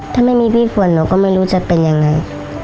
ถ้าไม่มีพี่ฝนหนูก็ไม่รู้จะเป็นยังไง